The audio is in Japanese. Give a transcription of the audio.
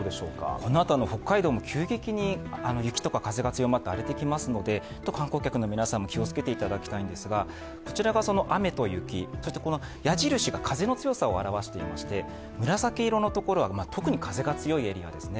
このあと、北海道も急激に雪や風が強まって荒れてきますので、観光客の皆さんも気を付けていただきたいんですが、こちらが雨と雪、そして矢印が風の強さを表していまして紫色のところは特に風が強いエリアですね。